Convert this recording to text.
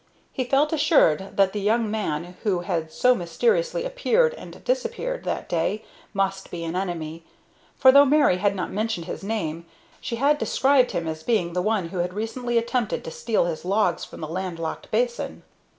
He felt assured that the young man who had so mysteriously appeared and disappeared that day must be an enemy; for, though Mary had not mentioned his name, she had described him as being the one who had recently attempted to steal his logs from the land locked basin.